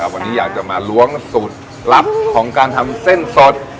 วันนี้อยากมารว้างสูตรหลักของการทำเซ่นสด